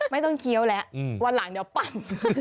ไม่ต้องเคี้ยวแล้ววันหลังเดี๋ยวปั่น